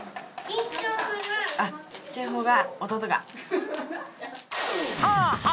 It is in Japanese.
あっちっちゃいほうが弟か。